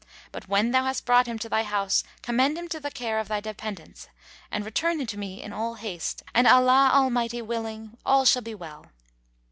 But, when thou hast brought him to thy house, commend him to the care of thy dependents and return to me in all haste; and Allah Almighty willing![FN#147] all shall be well."